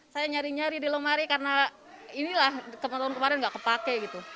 saya nyari nyari di lemari karena inilah kemarin kemarin gak kepake gitu